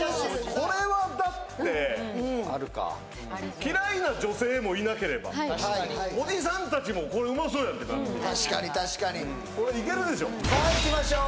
これはだって・あるか嫌いな女性もいなければおじさん達もこれうまそうやんってなる確かに確かにこれいけるでしょさあいきましょう